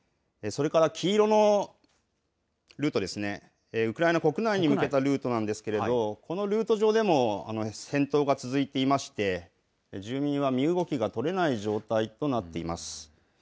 それから黄色のルートですね、ウクライナ国内に向けたルートなんですけれど、このルート上でも戦闘が続いていまして、住民は身動きが取れない状態となっています。